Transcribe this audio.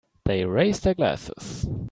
They raise their glasses.